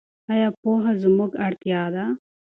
ایا پوهه زموږ اړتیا ده؟